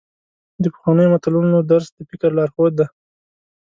د پخوانیو متلونو درس د فکر لارښود دی.